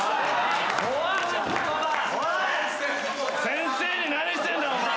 先生に何してんだお前！？